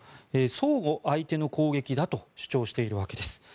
相互、相手の攻撃だと主張しているわけです。